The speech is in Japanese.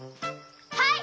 はい！